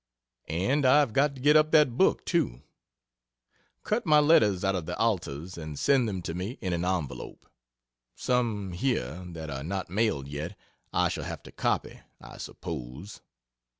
And I have got to get up that book, too. Cut my letters out of the Alta's and send them to me in an envelop. Some, here, that are not mailed yet, I shall have to copy, I suppose.